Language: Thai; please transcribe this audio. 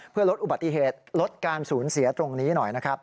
เพื่อลดอุบัติเหตุลดการสูญเสียตรงนี้หน่อยนะครับ